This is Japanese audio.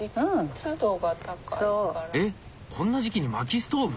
えっこんな時期に薪ストーブ？